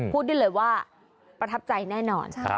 พูดได้เลยว่าประทับใจแน่นอน